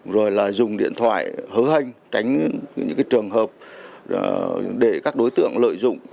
rồi là dùng điện thoại hớ hênh tránh những trường hợp để các đối tượng lợi dụng